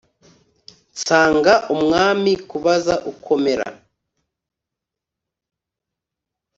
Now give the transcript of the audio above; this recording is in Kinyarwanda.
nsanga umwami kubaza uko mera